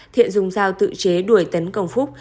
thiện dùng dao tự chế đuổi tấn công phúc